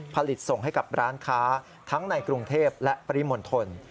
ผลิตส่งให้กับร้านค้าทั้งในกรุงเทพและปริมณฑล